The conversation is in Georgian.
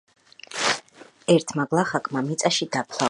ერგმა გლახაკმა მიწაში დაფლა ოქრო